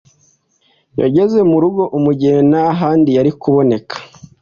yageze mu rugo, umugeni nta handi yari kuboneka